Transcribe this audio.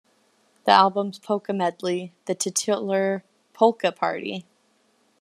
The album's polka medley, the titular Polka Party!